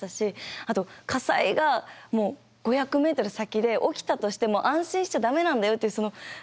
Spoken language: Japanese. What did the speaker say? あと火災が５００ｍ先で起きたとしても安心しちゃ駄目なんだよっていうその何て言うんだろう